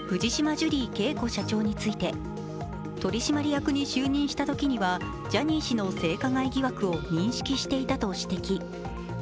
ジュリー景子社長について取締役会に就任したときにはジャニー氏の性加害疑惑を認識していたと指摘。